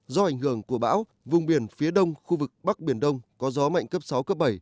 do ảnh hưởng của bão vùng biển phía đông khu vực bắc biển đông có gió mạnh cấp sáu cấp bảy